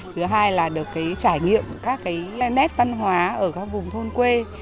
thứ hai là được cái trải nghiệm các cái nét văn hóa ở các vùng thôn quê